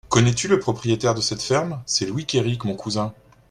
Connais-tu le propriétaire de cette ferme ? C'est Louis Kéric, mon cousin.